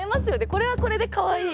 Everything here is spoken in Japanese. これはこれでかわいい。